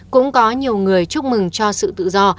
cũng có nhiều người chúc mừng cho sự tự do